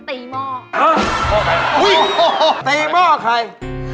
ตีหม้อใคร